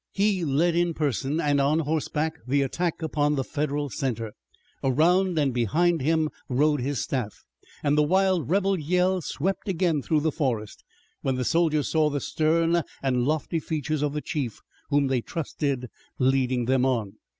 He led in person and on horseback the attack upon the Federal center. Around and behind him rode his staff, and the wild rebel yell swept again through the forest, when the soldiers saw the stern and lofty features of the chief whom they trusted, leading them on.